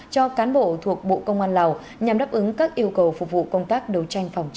cho cán bộ thuộc bộ công an lào nhằm đáp ứng các yêu cầu phục vụ công tác đấu tranh phòng